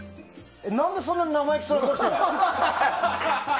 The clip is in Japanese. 何でそんな生意気そうな顔してんの？